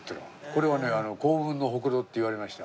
これはね幸運のホクロっていわれました。